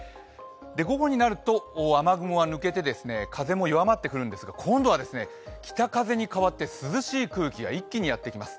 午後になると雨雲は抜けて風も弱まってくるんですが今度は北風に変わって、涼しい空気が一気にやってきます。